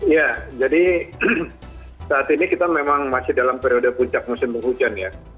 ya jadi saat ini kita memang masih dalam periode puncak musim hujan ya